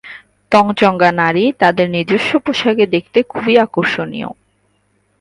তঞ্চঙ্গ্যা নারী তাদের নিজস্ব পোশাকে দেখতে খুবই আকর্ষণীয়।